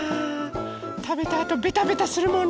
たべたあとベタベタするもんね。